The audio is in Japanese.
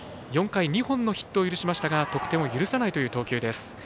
４回、２本のヒットを許しましたが得点を許さないという投球です。